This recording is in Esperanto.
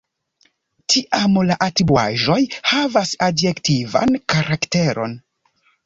Tiam la atribuaĵoj havas adjektivan karakteron.